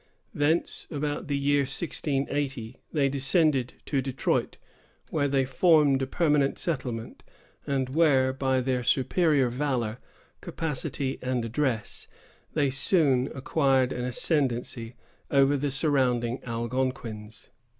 Thence, about the year 1680, they descended to Detroit, where they formed a permanent settlement, and where, by their superior valor, capacity, and address, they soon acquired an ascendency over the surrounding Algonquins.